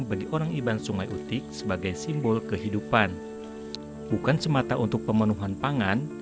bagi orang iban sungai utik sebagai simbol kehidupan bukan semata untuk pemenuhan pangan